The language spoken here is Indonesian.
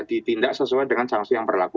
ditindak sesuai dengan sanksi yang berlaku